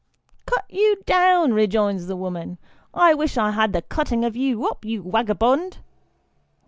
" Cut you down," rejoins the woman, " I wish I had the cutting of you up, you wagabond